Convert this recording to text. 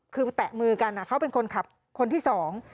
คือแตะมือกันอ่ะเขาเป็นคนขับคนที่สอง